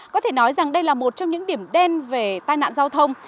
có thể nói rằng đây là một trong những điểm đen về tai nạn giao thông